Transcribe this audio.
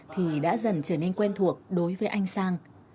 thì đã dần trở nên quen thuộc đối với anh sang